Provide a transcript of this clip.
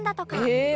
「へえ！